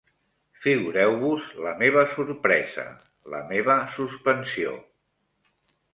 Figureu-vos la meva sorpresa, la meva suspensió